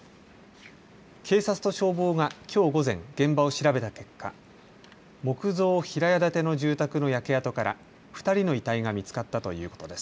警察と消防がきょう午前、現場を調べた結果、木造平屋建ての住宅の焼け跡から２人の遺体が見つかったということです。